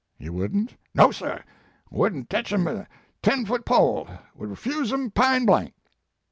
"You wouldn t?" "No sir, wouldn t tech em with a ten foot pole would refuse em pine blank.